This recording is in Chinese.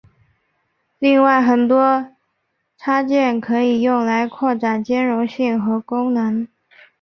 另外有很多插件可以用来扩展兼容性和功能。